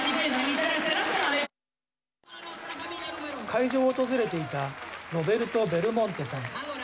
会場を訪れていたロベルト・ベルモンテさん。